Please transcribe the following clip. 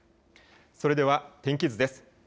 それでは天気図です。